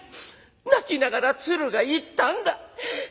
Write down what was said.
泣きながら鶴が言ったんだ。